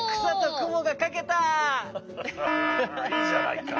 いいじゃないか。